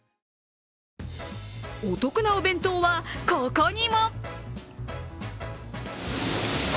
お得なお弁当は、ここにも。